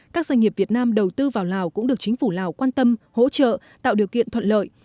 các doanh nghiệp việt nam đầu tư vào lào cũng được chính phủ lào quan tâm hỗ trợ tạo điều kiện thuận lợi